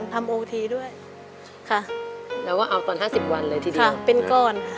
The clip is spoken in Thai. ทำโอทีด้วยค่ะแล้วก็เอาตอนห้าสิบวันเลยทีเดียวค่ะเป็นก่อน